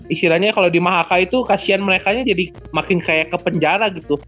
istilahnya kalau di mahaka itu kasian merekanya jadi makin kayak ke penjara gitu